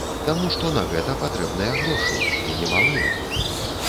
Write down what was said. Таму што на гэта патрэбныя грошы, і немалыя.